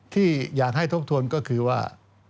ที่อยากให้ทบทวนก็คือว่า